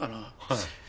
はい。